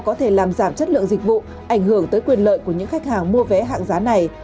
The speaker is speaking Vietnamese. có thể làm giảm chất lượng dịch vụ ảnh hưởng tới quyền lợi của những khách hàng mua vé hạng giá này